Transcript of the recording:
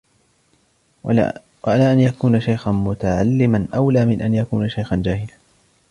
وَلَأَنْ يَكُونَ شَيْخًا مُتَعَلِّمًا أَوْلَى مِنْ أَنْ يَكُونَ شَيْخًا جَاهِلًا